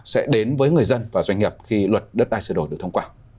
sẽ đến với người dân và doanh nghiệp khi luật đất đai sửa đổi được thông qua